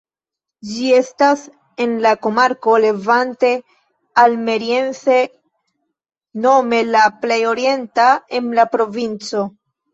Ĝi estas en la komarko "Levante Almeriense" nome la plej orienta en la provinco.